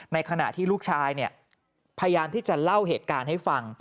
ในขณะที่ลูกชายพยายามที่จะเล่าเหตุการณ์ให้ฟัง